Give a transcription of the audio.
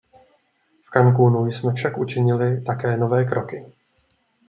V Cancúnu jsme však učinili také nové kroky.